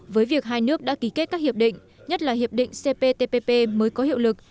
với việc hai nước đã ký kết các hiệp định nhất là hiệp định cptpp mới có hiệu lực